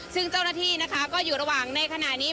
ซึ่งเจ้าหน้าที่นะคะก็อยู่ระหว่างในขณะนี้